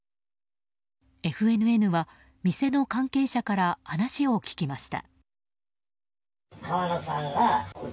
ＦＮＮは店の関係者から話を聞きました。